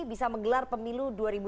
bisa menggelar pemilu dua ribu dua puluh